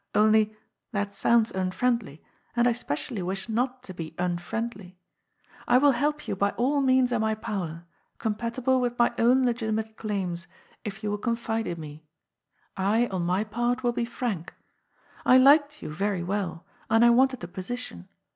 Only, that sounds unfriendly, and I specially wish not to be unfriendly. I will help you by all means in my power, compatible with my own legitimate claims, if you will con fide in me. I, on my part, will be frank. I liked you very well, and I wanted a position.